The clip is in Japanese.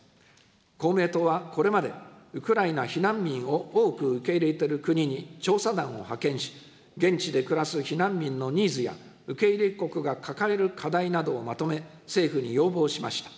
公明党はこれまで、ウクライナ避難民を多く受け入れている国に調査団を派遣し、現地で暮らす避難民のニーズや受け入れ国が抱える課題などをまとめ、政府に要望しました。